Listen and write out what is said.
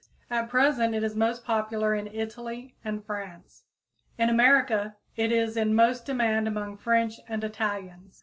At present it is most popular in Italy, and France. In America it is in most demand among French and Italians.